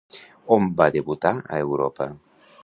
On va debutar a Europa?